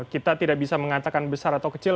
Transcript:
kita tidak bisa mengatakan besar atau kecil